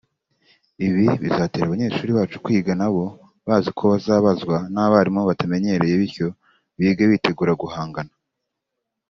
Ibi bizatera abanyeshuri bacu kwiga nabo bazi ko bazabazwa n’abarimu batamenyereye bityo bige bitegura guhangana